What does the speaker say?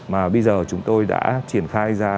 mà bây giờ chúng tôi đã triển khai ra